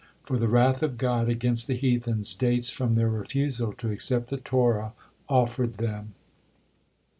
For the wrath of God against the heathens dates from their refusal to accept the Torah offered them.